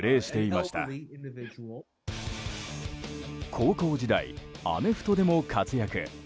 高校時代、アメフトでも活躍。